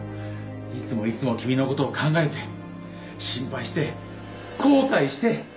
いつもいつも君の事を考えて心配して後悔して。